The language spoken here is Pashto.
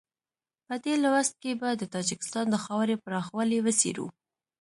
په دې لوست کې به د تاجکستان د خاورې پراخوالی وڅېړو.